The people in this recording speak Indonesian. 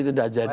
itu sudah jadi